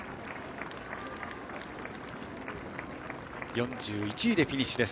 ４１でフィニッシュです。